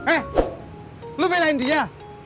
eh lo belain dia